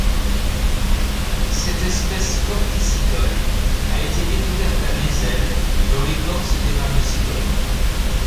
Cette espèce corticicole a été découverte à Mézel dans l'écorce d'Érable sycomore.